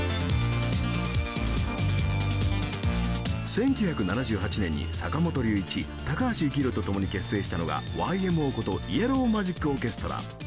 １９７８年に坂本龍一高橋幸宏と共に結成したのがＹ．Ｍ．Ｏ．ことイエロー・マジック・オーケストラ。